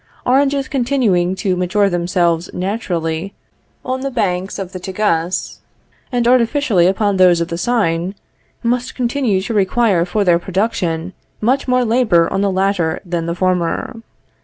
Oranges continuing to mature themselves naturally on the banks of the Tagus, and artificially upon those of the Seine, must continue to require for their production much more labor on the latter than the former.